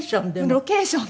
ロケーションで。